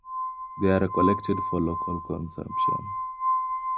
They are collected for local consumption.